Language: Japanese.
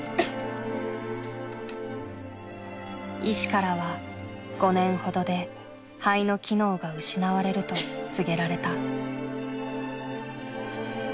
医師からは５年ほどで肺の機能が失われると告げられた。